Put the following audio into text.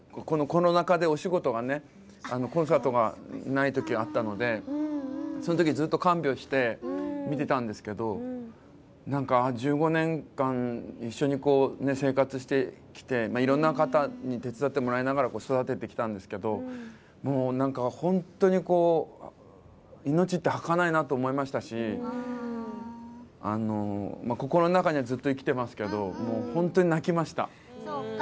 コロナ禍でお仕事がコンサートがないときあったのでそのときにずっと看病してみてたんですけど１５年間、一緒に生活してきていろんな方に手伝ってもらいながら育ててきたんですけどもう、なんか本当に命ってはかないなと思いましたしあの心の中にはずっと生きていますけど本当に泣きました。